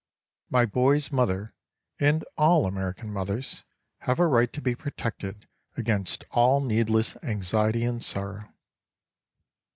My boy's mother and all American mothers have a right to be protected against all needless anxiety and sorrow.